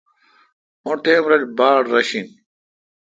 او ٹائم رل باڑ رش این۔